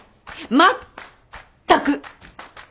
まったく！